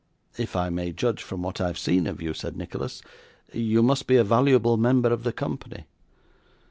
'If I may judge from what I have seen of you,' said Nicholas, 'you must be a valuable member of the company.